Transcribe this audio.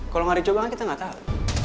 kalo gak dicoba kan kita gak tau